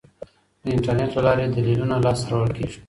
د انټرنیټ له لارې دلیلونه لاسته راوړل کیږي.